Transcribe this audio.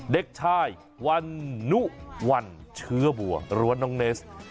เด็กชายวันนุวัลเชื้อบัวหรือว่าน้องเนส